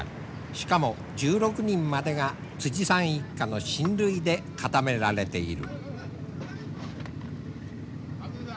しかも１６人までがさん一家の親類で固められている。